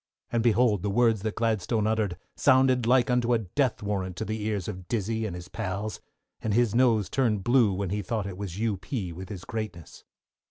And, behold the words that Gladstone uttered sounded like unto a death warrant to the ears of Dizzey and his pals, and his nose turned blue when he thought it was U. P. with his greatness.